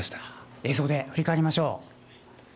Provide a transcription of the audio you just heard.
映像で振り返りましょう。